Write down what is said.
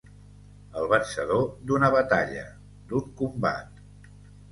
El vencedor d'una batalla, d'un combat.